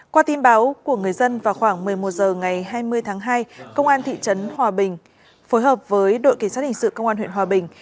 qua tin báo của người dân vào khoảng một mươi một h ngày hai mươi tháng hai công an thị trấn hòa bình phối hợp với đội cảnh sát hình sự công an huyện hòa bình